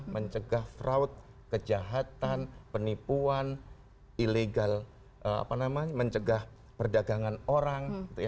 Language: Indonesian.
mencegah fraud kejahatan penipuan ilegal mencegah perdagangan orang